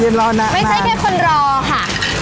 ไม่ใช่แค่คนรอค่ะ